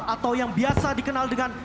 atau yang biasa dikenal dengan